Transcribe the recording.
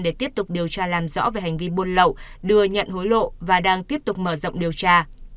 để tiếp tục điều tra làm rõ về hành vi buôn lậu đưa nhận hối lộ và đang tiếp tục mở rộng điều tra